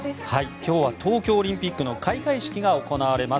今日は東京オリンピックの開会式が行われます。